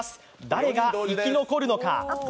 誰が生き残るのか。